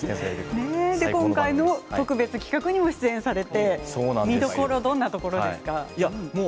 今回の特別企画にも出演されて、見どころはどんなところですか。